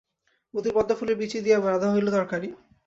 মতির পদ্মফুলের বীচি দিয়া রাধা হইল তরকারি।